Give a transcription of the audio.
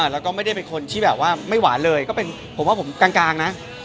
แล้วก็ไม่ได้เป็นคนที่แบบว่าไม่หวานเลยก็เป็นผมว่าผมกลางนะ